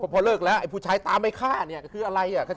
พอเลิกแล้วไอ้ผู้ชายตามไอ้ข้าเนี่ย